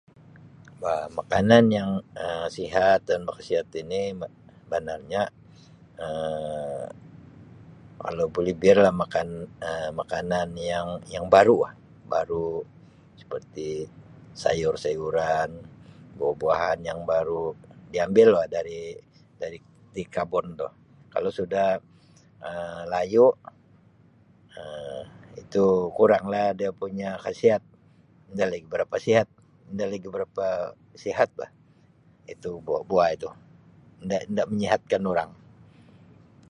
Um Makanan yang Um sihat, dan berkhasiat ini benarnya Um kalau boleh biarlah makan makanan yang-yang baru bah, baru seperti sayur-sayuran, buah-buahan yang baru, diambil bah dari-dari di kabun tu, kalau sudah Um layu Um itu kuranglah dia punya khasiat, nda lagi berapa sihat, nda lagi berapa sihat bah itu buah-buah itu, in-inda menyihatkan urang.